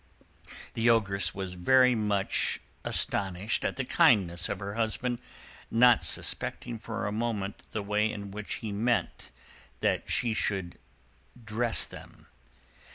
The Ogress was very much astonished at the kindness of her husband, not suspecting for a moment the way in which he meant that she should dress them.